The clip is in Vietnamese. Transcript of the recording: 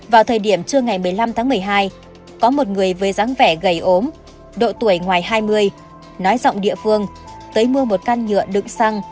vào thời điểm trưa ngày một mươi năm tháng một mươi hai có một người với dáng vẻ gầy ốm độ tuổi ngoài hai mươi nói rộng địa phương tới mua một can nhựa đựng xăng